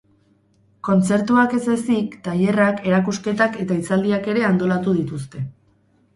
Kontzertuak ez ezik, tailerrak, erakusketak eta hitzaldiak ere antolatu dituzte.